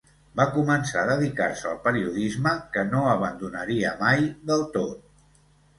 Va començar a dedicar-se al periodisme, que no abandonaria mai del tot.